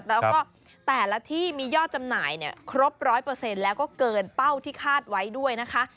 แล้วก็แต่ละที่มียอดจำหน่ายเนี่ยครบร้อยเปอร์เซ็นต์แล้วก็เกินเป้าที่คาดไว้ด้วยนะคะ